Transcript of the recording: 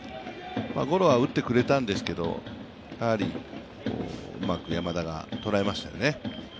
ゴロは打ってくれたんですけどうまく山田が捉えましたよね。